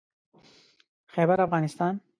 خيبرافغانستان